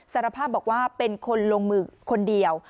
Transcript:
สารภาพบอกว่าเป็นคนลงมือคนเดียว